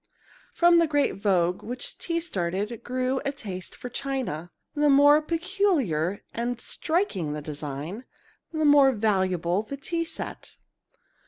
From the great vogue which tea started grew a taste for china; the more peculiar and striking the design, the more valuable the tea set.